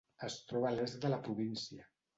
Es troba l'est de la província.